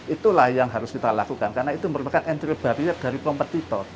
itulah yang harus kita lakukan karena itu merupakan entry barrier dari kompetitor